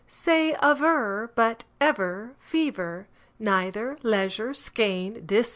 Say aver, but ever, fever, Neither, leisure, skein, receiver.